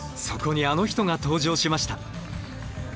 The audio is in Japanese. そこにあの人が登場しました。